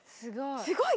すごい。